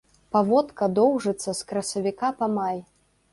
Паводка доўжыцца з красавіка па май.